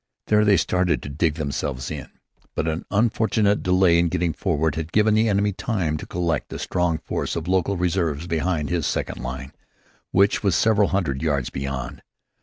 There they started to dig themselves in, but an unfortunate delay in getting forward had given the enemy time to collect a strong force of local reserves behind his second line, which was several hundred yards beyond.